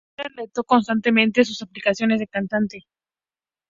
Su madre alentó constantemente sus aspiraciones de cantante.